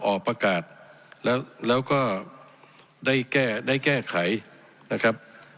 ออกประกาศแล้วก็ได้แก้ได้แก้ไขนะครับ